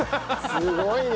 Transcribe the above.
すごいね！